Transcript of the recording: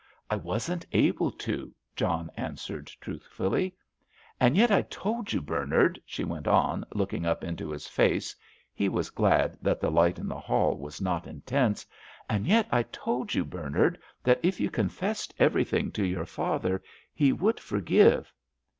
"I wasn't able to," John answered, truthfully. "And yet I told you, Bernard," she went on, looking up into his face—he was glad that the light in the hall was not intense—" and yet I told you, Bernard, that if you confessed everything to your father he would forgive."